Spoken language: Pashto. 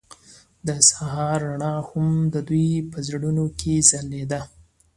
د سهار رڼا هم د دوی په زړونو کې ځلېده.